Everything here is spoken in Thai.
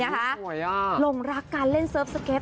หลงรักการเล่นเซิร์ฟสเก็ต